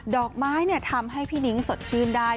ดอกไม้ทำให้พี่นิ้งสดชื่นได้